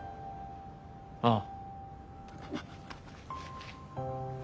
ああ。